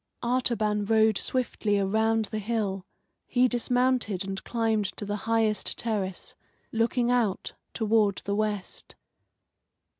Artaban rode swiftly around the hill. He dismounted and climbed to the highest terrace, looking out toward the west.